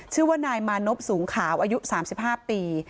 ชื่อว่านายมานบสูงขาวอายุสามสิบห้าปี